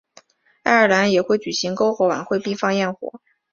爱尔兰也会举行篝火晚会并放焰火。